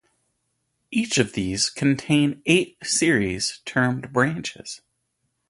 Each of these contains eight series termed branches.